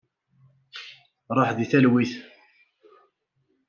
Ṛuḥ di talwit!